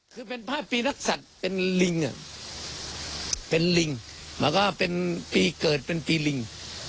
คือเป็นภาพปีนักศัตริย์เป็นลิง